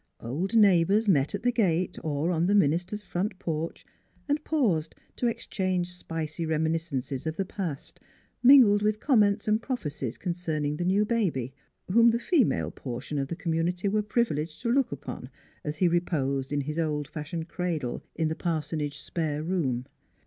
Old neighbors met at the gate or on the minister's front porch and paused to exchange spicy reminiscences of the past, mingled with comments and prophecies concerning the new baby, whom the female portion of the community were privileged to look upon, 55 56 NEIGHBORS as he reposed in his old fashioned cradle in the parsonage " spare room."